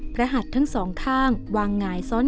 พระพุทธปฏิมาปางสมาธิ